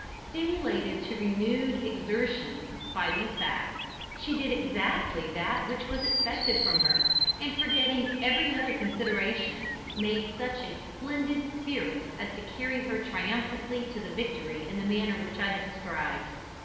Stimulated to renewed exertions by these facts, she did exactly that which was expected from her, and forgetting every other consideration, made such a splendid "spirt" as to carry her triumphantly to the victory in the manner which I have described.